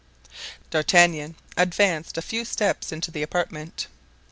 D'Artagnan advanced a few steps into the apartment.